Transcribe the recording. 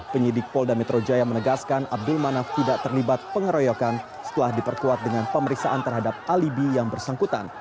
penyidik polda metro jaya menegaskan abdul manaf tidak terlibat pengeroyokan setelah diperkuat dengan pemeriksaan terhadap alibi yang bersangkutan